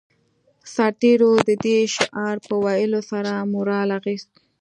سرتېرو د دې شعار په ويلو سره مورال اخیست